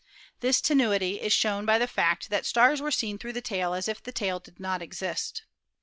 This tenuity is shown by the fact that stars were seen through the tail "as if the tail did not exist."